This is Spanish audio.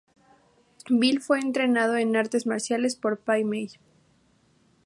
Bill fue entrenado en artes marciales por Pai Mei.